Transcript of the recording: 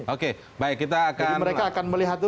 oke baik kita akan jadi mereka akan melihatnya